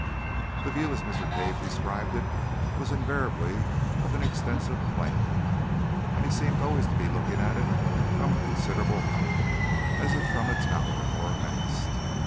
The view, as Mr. Cave described it, was invariably of an extensive plain, and he seemed always to be looking at it from a considerable height, as if from a tower or a mast.